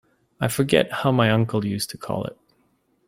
I forget how my uncle used to call it.